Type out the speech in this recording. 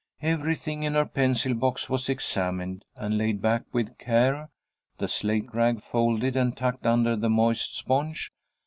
Everything in her pencil box was examined, and laid back with care, the slate rag folded and tucked under the moist sponge.